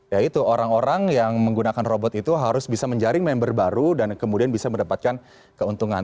ya itu orang orang yang menggunakan robot itu harus bisa menjaring member baru dan kemudian bisa mendapatkan keuntungan